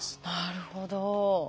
なるほど。